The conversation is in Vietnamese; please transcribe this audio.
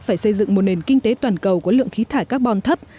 phải xây dựng một nền kinh tế toàn cầu có lượng khí thải carbon thấp